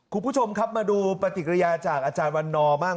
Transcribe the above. คุณผู้ชมครับมาดูปฏิกิริยาจากอาจารย์วันนอบ้าง